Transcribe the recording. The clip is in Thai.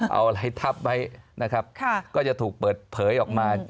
เอาอะไรทับไว้นะครับก็จะถูกเปิดเผยออกมา